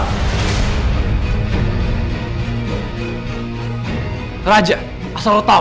berikan raja sama clara batal